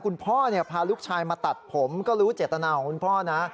คุณพ่อพาลูกชายมาตัดผมก็รู้เจตนาของคุณพ่อนะ